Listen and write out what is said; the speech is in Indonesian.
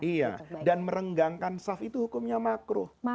iya dan merenggangkan soft itu hukumnya makro